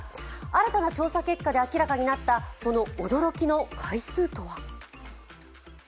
新たな調査結果で明らかになったその驚きの回数とは？